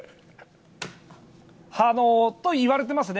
そういわれてますね。